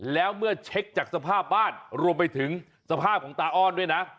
แล้วเมื่อเช็คจากสภาพบ้านรวมไปถึงสภาพของตาอ้อนด้วยนะ